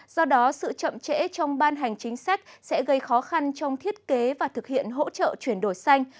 do đó sự chậm trễ trong ban hành chính sách sẽ gây khó khăn trong thiết kế và thực hiện hỗ trợ chuyển đổi xanh